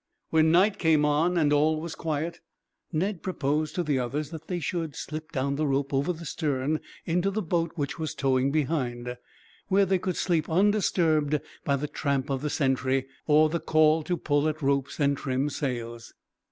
When night came on, and all was quiet, Ned proposed to the others that they should slip down the rope over the stern into the boat which was towing behind; where they could sleep undisturbed by the tramp of the sentry, or the call to pull at ropes and trim sails.